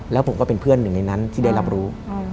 แล้วผมก็เป็นเพื่อนหนึ่งในนั้นที่ได้รับรู้